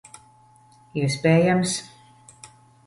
Iespējams.